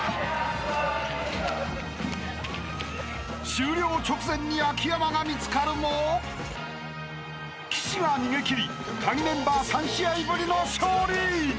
［終了直前に秋山が見つかるも岸が逃げ切りカギメンバー３試合ぶりの勝利！］